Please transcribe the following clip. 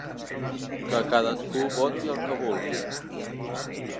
Que cadascú voti el que vulgui.